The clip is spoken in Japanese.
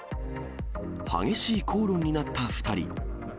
激しい口論になった２人。